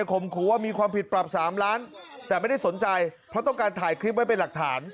ขู่ว่ามีความผิดปรับ๓ล้านแต่ไม่ได้สนใจเพราะต้องการถ่ายคลิปไว้เป็นหลักฐาน